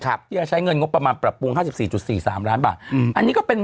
ที่จะใช้เงินงบประมาณปรับปรุงห้าสิบสี่จุดสี่สามล้านบาทอืมอันนี้ก็เป็น